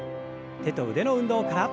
手と腕の運動から。